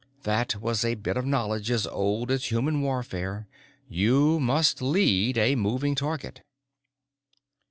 That was a bit of knowledge as old as human warfare: you must lead a moving target.